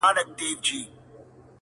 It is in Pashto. بیا به جهان راپسي ګورې نه به یمه،